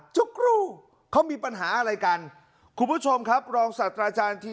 จุ๊กรู้เขามีปัญหาอะไรกันคุณผู้ชมครับรองศัตราอาจารย์